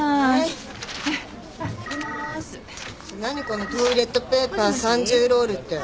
このトイレットペーパー３０ロールって。